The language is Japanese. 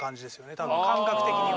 多分感覚的には。